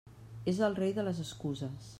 És el rei de les excuses.